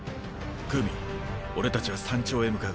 クウミ俺たちは山頂へ向かう。